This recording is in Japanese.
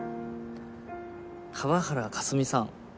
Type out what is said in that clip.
河原かすみさん。